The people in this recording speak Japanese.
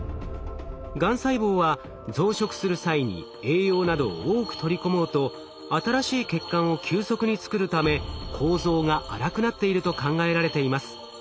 がん細胞は増殖する際に栄養などを多く取り込もうと新しい血管を急速に作るため構造が粗くなっていると考えられています。